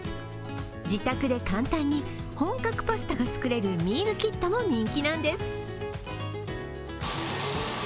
自宅で簡単に本格パスタが作れるミールキットも人気なんです。